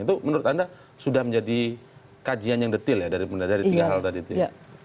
itu menurut anda sudah menjadi kajian yang detil ya dari tiga hal tadi itu ya